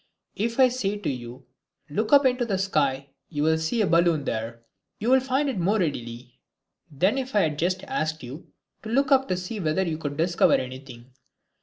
If I say to you, "Look up into the sky, you can see a balloon there," you will find it more readily than if I had just asked you to look up to see whether you could discover anything.